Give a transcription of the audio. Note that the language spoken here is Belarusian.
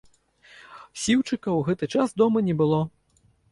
Сіўчыка ў гэты час дома не было.